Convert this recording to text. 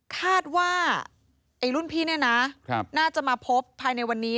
คาดว่าไอ้รุ่นพี่เนี่ยนะน่าจะมาพบภายในวันนี้